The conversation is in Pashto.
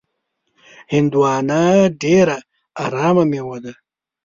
هندوانه ډېره ارامه میوه ده.